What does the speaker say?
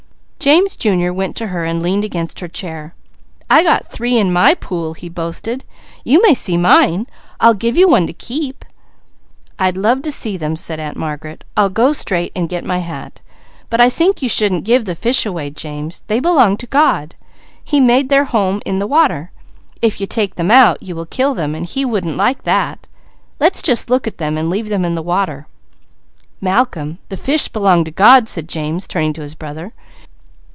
James Jr. went to her and leaned against her chair. "I got three in my pool. You may see mine! I'll give you one." "I'd love to see them," said Aunt Margaret. "I'll go bring my hat. But I think you shouldn't give the fish away, James. They belong to God. He made their home in the water. If you take them out, you will kill them, and He won't like that. Let's just look at them, and leave them in the water." "Malcolm, the fish 'belong to God,'" said James, turning to his brother.